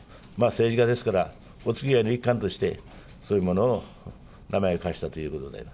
政治家ですから、おつきあいの一環として、そういうものを名前を貸したということで。